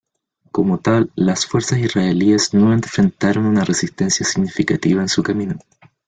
Como tal, las fuerzas israelíes no enfrentaron una resistencia significativa en su camino.